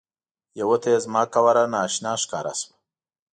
یوه ته یې زما قواره نا اشنا ښکاره شوه.